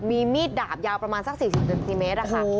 มีมีดดาบยาวประมาณสัก๔๐จนกิโมนิเมตรนะคะ